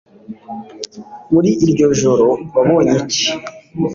muri iryo joro wabonye iki